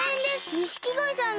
錦鯉さんが。